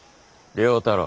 良太郎。